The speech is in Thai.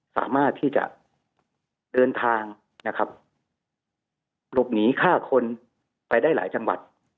สามารถที่จะเดินทางนะครับหลบหนีฆ่าคนไปได้หลายจังหวัด